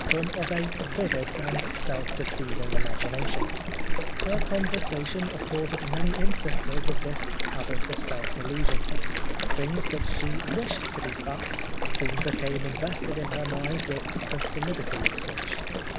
come of a vivid and self deceiving imagination . Her conversation afforded many instances of this habit of self delusion. Things that she wished to be facts soon became invested in her mind with the solidity of such.